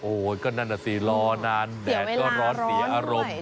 โอ้โหก็นั่นน่ะสิรอนานแดดก็ร้อนเสียอารมณ์